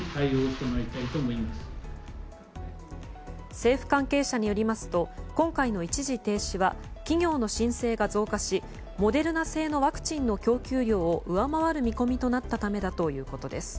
政府関係者によりますと今回の一時停止は企業の申請が増加しモデルナ製のワクチンの供給量を上回る見込みとなったためだということです。